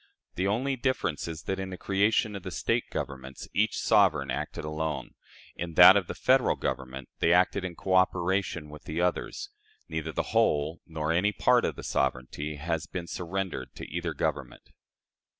The only difference is that, in the creation of the State governments, each sovereign acted alone; in that of the Federal Government, they acted in coöperation with the others. Neither the whole nor any part of their sovereignty has been surrendered to either Government.